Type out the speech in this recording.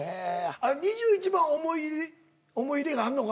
あれ２１番思い入れがあんのか？